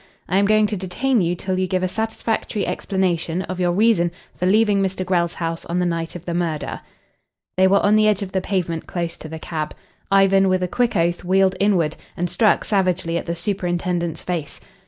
"I am going to detain you till you give a satisfactory explanation of your reason for leaving Mr. Grell's house on the night of the murder." They were on the edge of the pavement close to the cab. Ivan with a quick oath wheeled inward, and struck savagely at the superintendent's face.